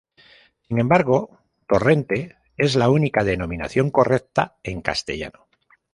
Sin embargo, "Torrente" es la única denominación correcta en castellano.